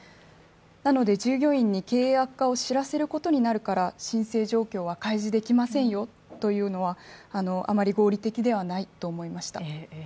なので、従業員に経営悪化を知らせることになるから申請状況は開示できませんよというのは、あまり合理的ではないと思いました。